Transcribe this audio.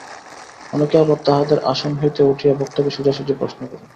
অনেকে আবার তাঁহাদের আসন হইতে উঠিয়া বক্তাকে সোজাসুজি প্রশ্ন করেন।